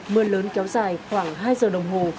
mưa lớn kéo dài khoảng hai giờ đồng hồ